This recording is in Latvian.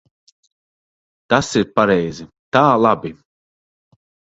Tas ir pareizi. Tā labi.